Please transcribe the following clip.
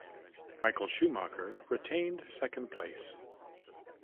Michael Schumacher retained second place.